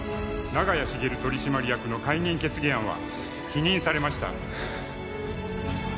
長屋茂取締役の解任決議案は否認されました。